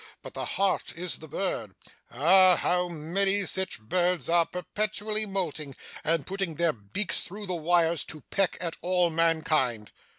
But the heart is the bird. Ah! How many sich birds are perpetually moulting, and putting their beaks through the wires to peck at all mankind!